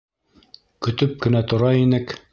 Көтөп кенә тора инек.